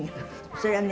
それはね